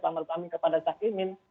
pak ma'ruf amin kepada cak imin